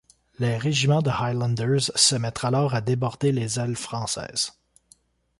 Les régiments de Highlanders se mettent alors à déborder les ailes françaises.